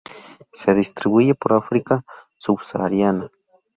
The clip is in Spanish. Se distribuye por África subsahariana.